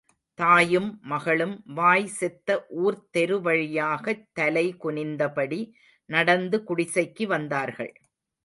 தாயும், மகளும் வாய் செத்த ஊர்த் தெருவழியாகத் தலை குனிந்த படி நடந்து குடிசைக்கு வந்தார்கள்.